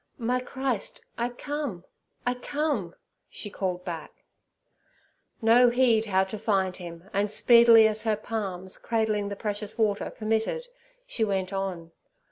'My Christ, I come—I come!' she called back. No heed how to find Him, and speedily as her palms, cradling the precious water, permitted, she went on.